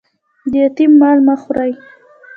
د یتیم مال مه خورئ